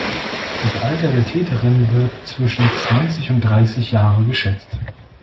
Das Alter der Täterin wird zwischen zwanzig und dreißig Jahre geschätzt.